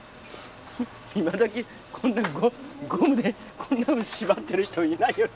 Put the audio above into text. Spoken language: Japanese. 今どきこんなゴムでこんなに縛ってる人いないよね。